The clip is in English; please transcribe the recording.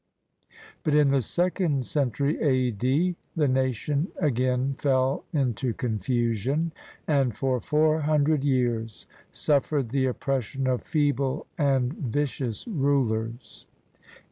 But in the second century a.d., the nation again fell into confusion, and for four hundred years suffered the oppressions of feeble and vicious rulers.